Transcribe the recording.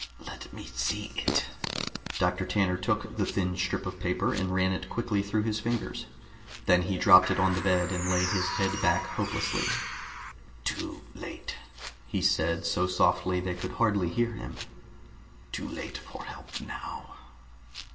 "Let me see it." Dr. Tanner took the thin strip of paper and ran it quickly through his fingers. Then he dropped it on the bed and lay his head back hopelessly. "Too late," he said, so softly they could hardly hear him. "Too late for help now."